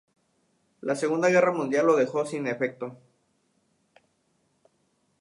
La Segunda Guerra Mundial lo dejó sin efecto.